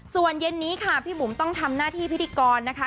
ส่วนเย็นนี้ค่ะพี่บุ๋มต้องทำหน้าที่พิธีกรนะคะ